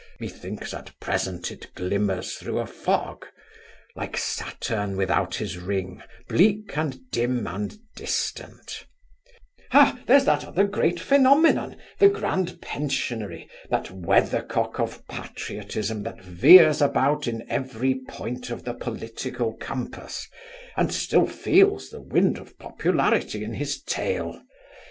methinks, at present, it glimmers through a fog; like Saturn without his ring, bleak, and dim, and distant Ha, there's the other great phenomenon, the grand pensionary, that weathercock of patriotism that veers about in every point of the political compass, and still feels the wind of popularity in his tail.